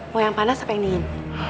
mau yang panas apa yang dingin